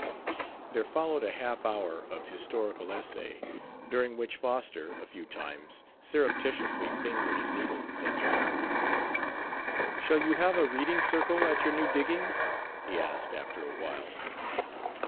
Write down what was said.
There followed a half hour of historical essay, during which Foster a few times surreptitiously fingered his needles and yarn. "Shall you have a reading circle at your new diggings?" he asked after a while.